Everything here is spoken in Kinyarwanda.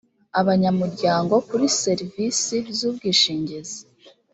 abanyamuryango kuri serivisi z ubwishingizi